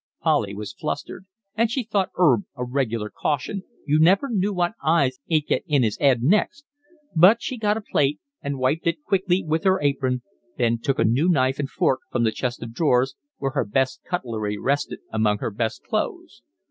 Polly was flustered, and she thought 'Erb a regular caution, you never knew what ideas 'e'd get in 'is 'ead next; but she got a plate and wiped it quickly with her apron, then took a new knife and fork from the chest of drawers, where her best cutlery rested among her best clothes.